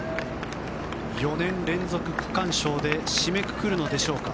４年連続区間賞で締めくくるのでしょうか。